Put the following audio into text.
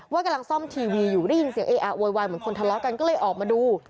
กำลังซ่อมทีวีอยู่ได้ยินเสียงเออะโวยวายเหมือนคนทะเลาะกันก็เลยออกมาดู